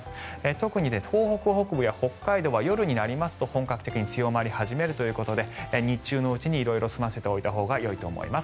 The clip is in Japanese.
特に東北北部や北海道は夜になりますと本格的に強まり始めるということで日中のうちに色々済ませておいたほうがいいと思います。